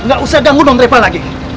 gak usah ganggu non reva lagi